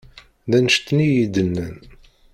D annect-nni i yi-d-nnan.